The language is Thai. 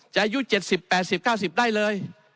อายุ๗๐๘๐๙๐ได้เลย